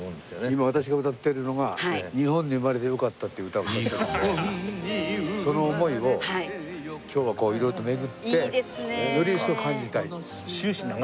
今私が歌ってるのが『日本に生まれてよかった』って歌を歌っててその思いを今日は色々と巡ってより一層感じたい。